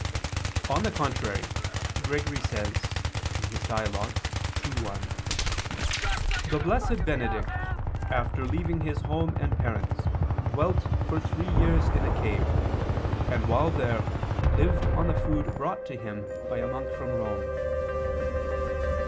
On the contrary, Gregory says (Dial. ii, 1): The Blessed Benedict after leaving his home and parents dwelt for three years in a cave, and while there lived on the food brought to him by a monk from Rome.